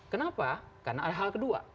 kenapa karena hal kedua